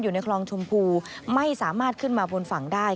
อยู่ในคลองชมพูไม่สามารถขึ้นมาบนฝั่งได้